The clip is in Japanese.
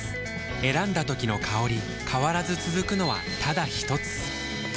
選んだ時の香り変わらず続くのはただひとつ？